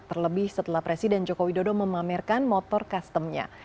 terlebih setelah presiden joko widodo memamerkan motor customnya